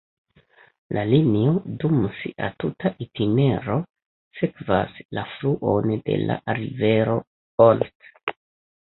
La linio dum sia tuta itinero sekvas la fluon de la rivero Olt.